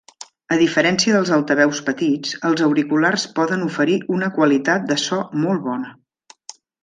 A diferència dels altaveus petits, els auriculars poden oferir una qualitat de so molt bona.